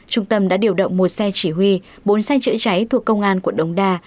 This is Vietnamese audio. trung tâm đã điều động một xe chỉ huy bốn xe chữa cháy thuộc công an quận đống đa